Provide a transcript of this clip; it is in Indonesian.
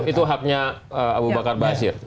oke itu haknya abu bakar ba'asyir